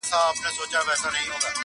اوس ماشومان له تاریخونو سره لوبي کوي!.